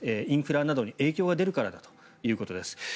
インフラなどに影響が出るからだということです。